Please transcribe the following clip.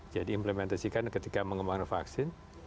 jadi implementasikan ketika mengembangkan vaksin